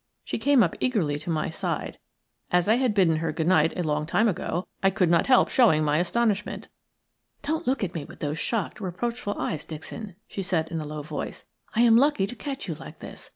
She came up eagerly to my side. As I had bidden her good night a long time ago, I could not help showing my astonishment. "Don't look at me with those shocked, reproachful eyes, Dixon," she said, in a low voice, "I am lucky to catch you like this.